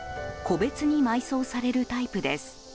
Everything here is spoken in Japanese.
個別に埋葬されるタイプです。